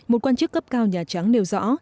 một quan chức cấp cao nhà trắng nêu rõ